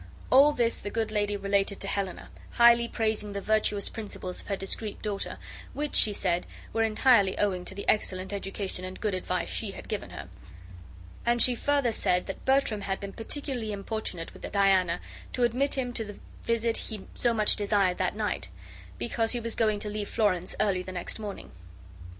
All this the good lady related to Helena, highly praising the virtuous principles of her discreet daughter, which she said were entirely owing to the excellent education and good advice she had given her; and she further said that Bertram had been particularly importunate with Diana to admit him to the visit he so much desired that night, because he was going to leave Florence early the next morning.